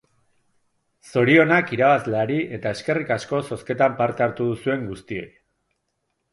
Zorionak irabazleari eta eskerrik asko zozketan parte hartu duzuen guztioi!